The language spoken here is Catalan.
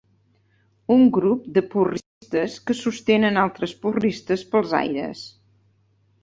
Un grup de porristes que sostenen altres porristes pels aires.